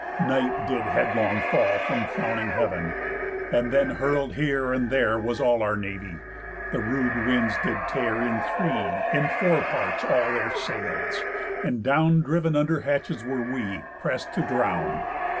Night did headlong fall From frowning heav'n. And then hurl'd here and there Was all our navy; the rude winds did tear In three, in four parts, all their sails; and down Driv'n under hatches were we, prest to drown.